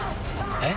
えっ？